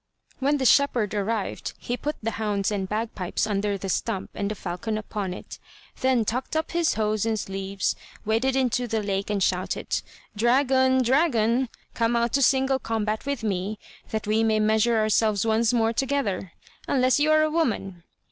When the shepherd arrived, he put the hounds and bagpipes under the stump and the falcon upon it, then tucked up his hose and sleeves waded into the lake and shouted: "Dragon, dragon! come out to single combat with me, that we may measure ourselves once more together, unless you are a woman!"